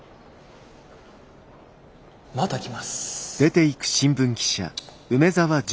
また来ます。